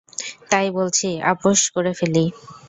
তাই বলছি, আপোস করে ফেলি।